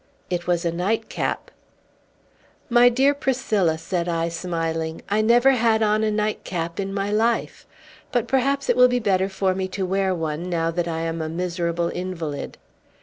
It was a nightcap! "My dear Priscilla," said I, smiling, "I never had on a nightcap in my life! But perhaps it will be better for me to wear one, now that I am a miserable invalid.